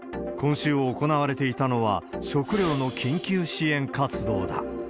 今週行われていたのは、食料の緊急支援活動だ。